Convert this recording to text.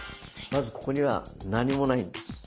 まずここには何もないんです。